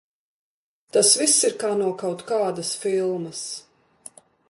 Tas viss ir kā no kaut kādas filmas.